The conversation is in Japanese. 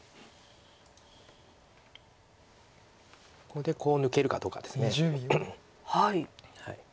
ここでコウを抜けるかどうかです。